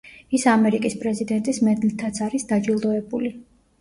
ის ამერიკის პრეზიდენტის მედლითაც არის დაჯილდოებული.